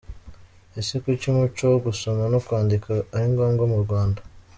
Ese kuki umuco wo gusoma no kwandika ari ngombwa mu Rwanda ?.